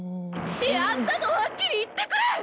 やったとはっきり言ってくれ！